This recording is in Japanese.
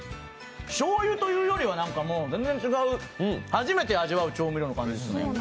しょうゆというよりは全然違う初めて味わう調味料の感じですね。